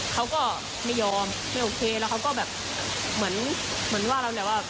เขาก็ไม่ยอมไม่โอเคแล้วเขาก็แบบเหมือนเหมือนว่าเราแบบว่า